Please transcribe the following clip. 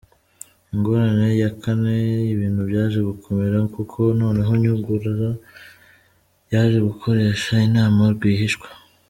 Ingorane ya kane, ibintu byaje gukomera kuko noneho Nyungura yaje gukoresha inama rwihishwa.